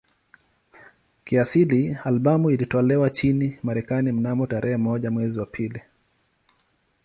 Kiasili albamu ilitolewa nchini Marekani mnamo tarehe moja mwezi wa pili